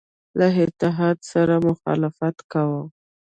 له اتحاد سره مخالفت کاوه.